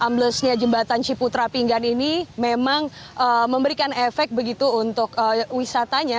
amblesnya jembatan ciputra pinggan ini memang memberikan efek begitu untuk wisatanya